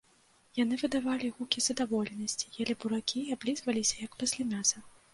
Яны выдавалі гукі задаволенасці, елі буракі і аблізваліся, як пасля мяса.